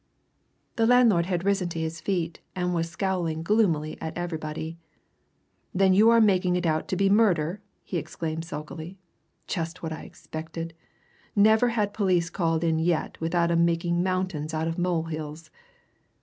The landlord had risen to his feet, and was scowling gloomily at everybody. "Then you are making it out to be murder?" he exclaimed sulkily. "Just what I expected! Never had police called in yet without 'em making mountains out of molehills!